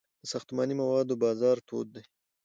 د ساختماني موادو بازار تود دی